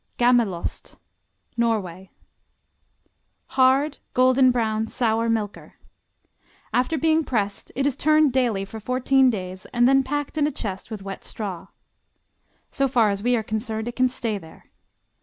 Gammelost Norway Hard, golden brown, sour milker. After being pressed it is turned daily for fourteen days and then packed in a chest with wet straw. So far as we are concerned it can stay there.